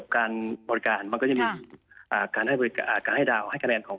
การบริการมันก็จะมีการให้บริการให้ดาวให้คะแนนของ